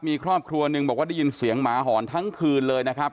มีครอบครัวหนึ่งบอกว่าได้ยินเสียงหมาหอนทั้งคืนเลยนะครับ